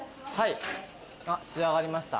仕上がりました？